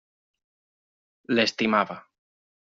L'estimava.